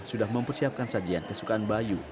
sudah mempersiapkan sajian kesukaan bayu